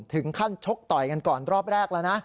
ถึงขั้นชกต่อยกันก่อนรอบแรกแล้วนะ